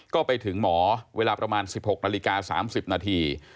ก็ไปถึงหมอเวลาประมาณ๑๖นาฬิกา๓๐นาที